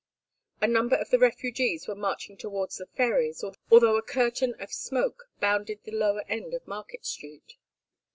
A number of the refugees were marching towards the ferries, although a curtain of smoke bounded the lower end of Market Street.